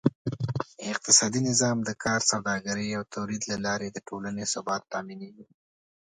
اقتصادي نظام: د کار، سوداګرۍ او تولید له لارې د ټولنې ثبات تأمینېږي.